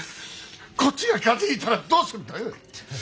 こっちが風邪ひいたらどうすんだ。